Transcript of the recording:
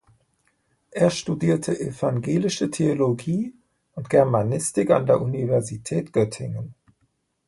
Er studierte evangelische Theologie und Germanistik an der Universität Göttingen.